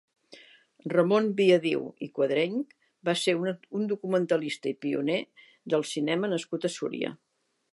Ramon Biadiu i Cuadrench va ser un documentalista i pioner del cinema nascut a Súria.